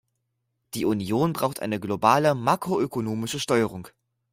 Die Union braucht eine globale makroökonomische Steuerung.